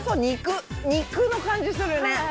肉の感じするね！